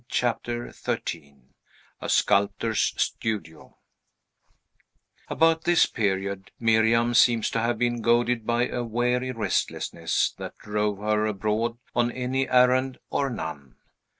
CHAPTER XIII A SCULPTOR'S STUDIO About this period, Miriam seems to have been goaded by a weary restlessness that drove her abroad on any errand or none.